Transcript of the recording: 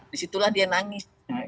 disitulah dia nangis